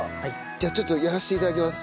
じゃあちょっとやらせて頂きます。